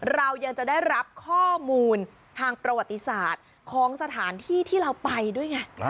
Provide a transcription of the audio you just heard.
เรายังจะได้รับข้อมูลทางประวัติศาสตร์ของสถานที่ที่เราไปด้วยไง